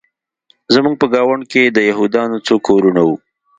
زموږ په ګاونډ کې د یهودانو څو کورونه وو